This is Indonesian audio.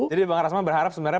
jadi bang rasman berharap sebenarnya